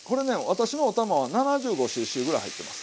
私のお玉は７５ｃｃぐらい入ってます。